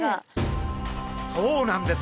そうなんです！